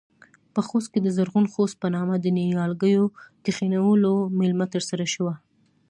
په خوست کې د زرغون خوست په نامه د نيالګيو کښېنولو مېلمه ترسره شوه.